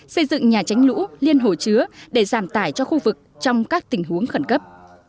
xây dựng nhà tránh lũ liên hồ chứa để giảm tải cho khu vực trong các tình huống khẩn cấp